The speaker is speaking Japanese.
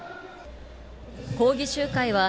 抗議集会は、